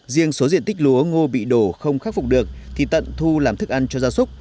riêng số diện tích lúa ngô bị đổ không khắc phục được thì tận thu làm thức ăn cho gia súc